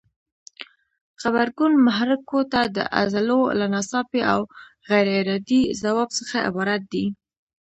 غبرګون محرکو ته د عضلو له ناڅاپي او غیر ارادي ځواب څخه عبارت دی.